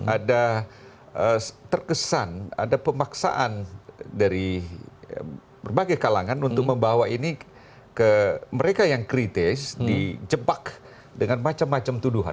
ada terkesan ada pemaksaan dari berbagai kalangan untuk membawa ini ke mereka yang kritis di jebak dengan macam macam tuduhan